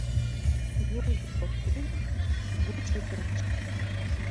Юл вӱд воктен, кугу чодыраште